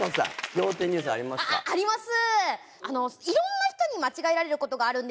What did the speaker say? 仰天ニュースあります？あります。